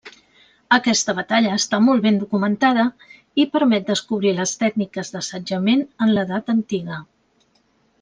Aquesta batalla està molt ben documentada i permet descobrir les tècniques d'assetjament en l'edat antiga.